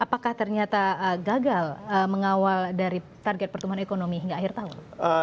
apakah ternyata gagal mengawal dari target pertumbuhan ekonomi hingga akhir tahun